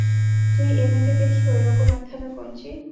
তুই এনে দে দেখি ওইরকম একখানা কঞ্চি!